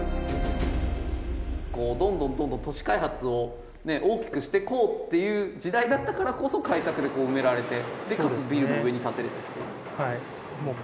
こうどんどんどんどん都市開発をね大きくしてこうっていう時代だったからこそ開削でこう埋められてでかつビルも上に建てれてっていう。